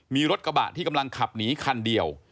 มีรถกระบะที่กำลังขับหนีคันเดียว